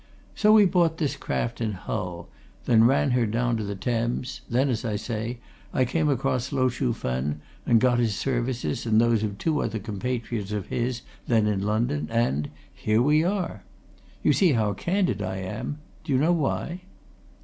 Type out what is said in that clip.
So we bought this craft in Hull then ran her down to the Thames then, as I say, I came across Lo Chuh Fen and got his services and those of two other compatriots of his, then in London, and here we are! You see how candid I am do you know why?"